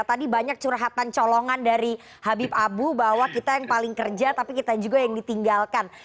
tadi banyak curhatan colongan dari habib abu bahwa kita yang paling kerja tapi kita juga yang ditinggalkan